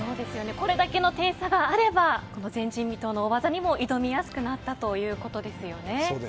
これだけの点差があれば前人未踏の大技にも挑みやすくなったそうですね。